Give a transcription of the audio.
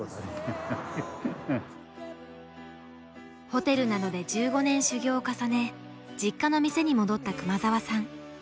ホテルなどで１５年修業を重ね実家の店に戻った熊澤さん。